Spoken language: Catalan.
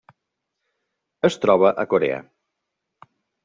Es troba a Corea.